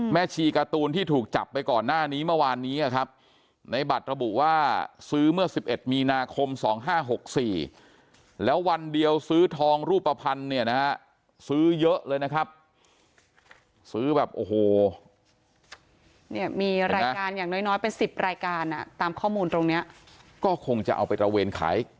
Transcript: มีรายการอย่างน้อยเป็น๑๐รายการก็คงจะเอาไปตระเวนขายการเนี่ยนะครับ